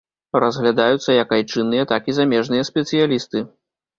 Разглядаюцца як айчынныя, так і замежныя спецыялісты.